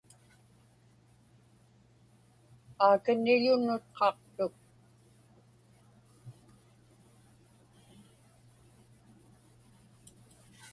Aakanilu nutqaqtuk.